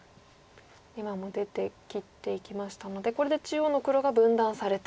今も出て切っていきましたのでこれで中央の黒が分断されて。